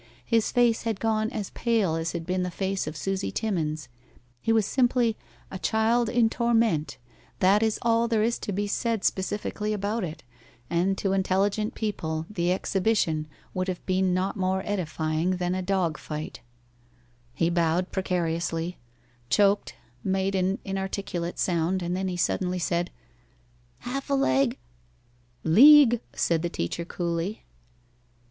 His face had gone as pale as had been the face of Susie Timmens. He was simply a child in torment; that is all there is to be said specifically about it; and to intelligent people the exhibition would have been not more edifying than a dog fight. [Illustation: "AND THEN HE SUDDENLY SAID, 'HALF A LEG '"] He bowed precariously, choked, made an inarticulate sound, and then he suddenly said, "Half a leg " "League," said the teacher, coolly.